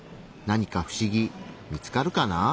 何か不思議見つかるかな？